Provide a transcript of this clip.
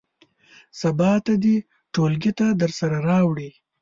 سبا ته دې ټولګي ته درسره راوړي.